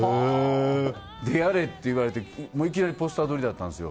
で、やれって言われていきなりポスター撮りだったんです。